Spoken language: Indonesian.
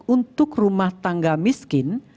untuk rumah tangga miskin